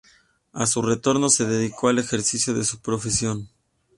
A su retorno se dedicó al ejercicio de su profesión.